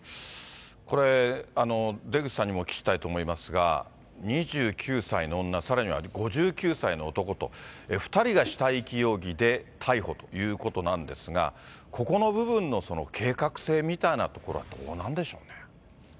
これ、出口さんにもお聞きしたいと思いますが、２９歳の女、さらには５９歳の男と２人が死体遺棄容疑で逮捕ということなんですが、ここの部分の計画性みたいなところはどうなんでしょうね。